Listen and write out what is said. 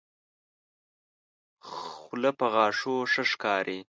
خله په غاښو ښه ښکاري.